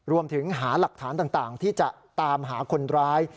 รวมถึงหาหลักฐานต่างที่จะตามหาคนร้าย